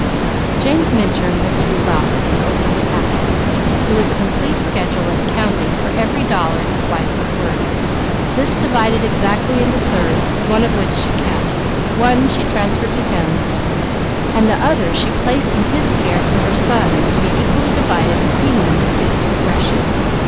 James Minturn went to his office and opened the packet. It was a complete accounting of every dollar his wife was worth, this divided exactly into thirds, one of which she kept, one she transferred to him, and the other she placed in his care for her sons to be equally divided between them at his discretion.